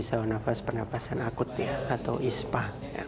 saluran nafas penapasan akut atau ispa